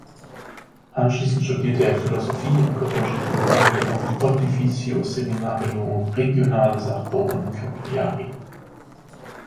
Anschließend studierte er Philosophie und Katholische Theologie am "Pontificio Seminario Regionale Sardo" in Cagliari.